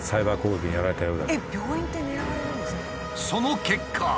その結果。